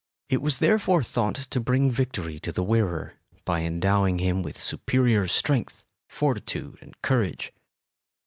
It was therefore thought to bring victory to the wearer, by endowing him with superior strength, fortitude, and courage.